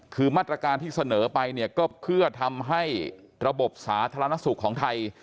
คือมาตรการที่เสนอไปเนี่ยก็เพื่อทำให้ระบบสาธารณสุขของไทย